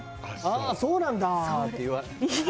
「ああそうなんだ」って言わない？